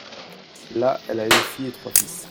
celle-là elle a une fille et trois fils.